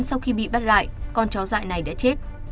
sau khi bị bắt lại con chó dại này đã chết